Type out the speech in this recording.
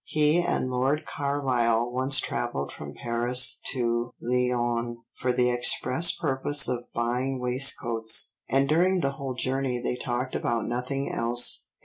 He and Lord Carlisle once travelled from Paris to Lyons for the express purpose of buying waistcoats; and during the whole journey they talked about nothing else.